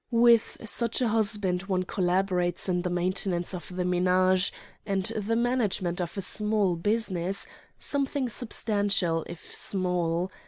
With such a husband one collaborates in the maintenance of the ménage and the management of a small business, something substantial if small.